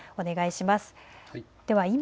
お願いします。